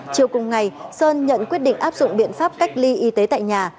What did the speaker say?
chiều cùng ngày sơn nhận quyết định áp dụng biện pháp cách ly y tế tại nhà